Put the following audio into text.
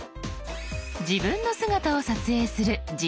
自分の姿を撮影する「自撮り」。